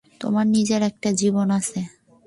তোমার নিজের একটা জীবন আছে।